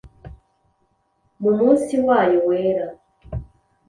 Mu munsi wayo wera,